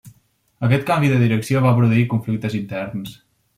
Aquest canvi de direcció va produir conflictes interns.